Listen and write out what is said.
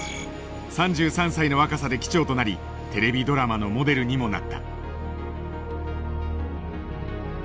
３３歳の若さで機長となりテレビドラマのモデルにもなった。